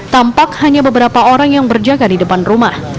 tampak hanya beberapa orang yang berjaga di depan rumah